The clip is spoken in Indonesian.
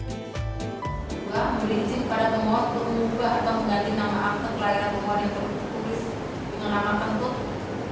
dua membeli izin pada temua untuk mengubah atau mengganti nama akte kelahiran temua yang terkubis dengan nama kentut